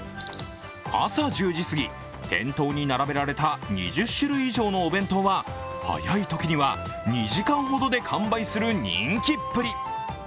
朝１０時過ぎ、店頭に並べられた２０種類以上のお弁当は早いときには２時間ほどで完売する人気っぷり。